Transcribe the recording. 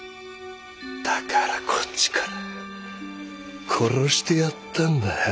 だからこっちから殺してやったんだよ。